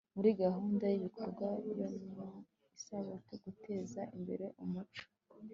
muri gahunda y'ibikorwa yo mu isaba guteza imbere umuco